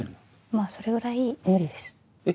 まぁそれぐらい無理です。え？